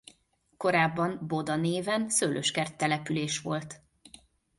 Korábban Boda néven szőlőskert-település volt.